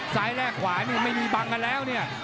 แลกขวานี่ไม่มีบังกันแล้วเนี่ย